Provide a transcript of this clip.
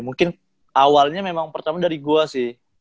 mungkin awalnya memang pertama dari gue sih